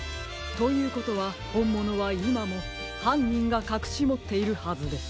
ということはほんものはいまもはんにんがかくしもっているはずです。